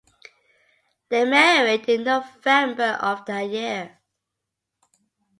They married in November of that year.